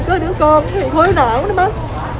có đứa con thì khối não nó mất